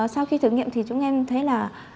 sau khi thử nghiệm thì chúng em thấy là